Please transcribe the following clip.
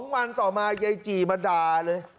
วันต่อมายายจีมาด่าเลย